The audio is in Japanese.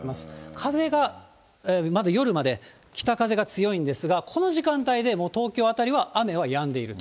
風がまだ夜まで、北風が強いんですが、この時間帯で東京辺りは雨はやんでいると。